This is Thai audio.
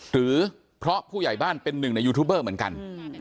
หรือเพราะผู้ใหญ่บ้านเป็นหนึ่งในยูทูบเบอร์เหมือนกัน